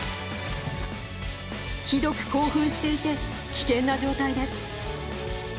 ひどく興奮していて危険な状態です。